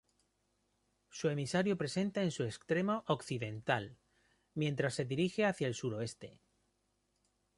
Su emisario presenta en su extremo occidental, mientras se dirige hacia el suroeste.